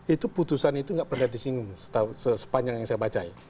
itu putusan itu tidak pernah disinggung sepanjang yang saya baca